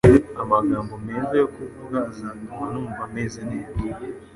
amagambo meza yo kuvuga azatuma numva meze neza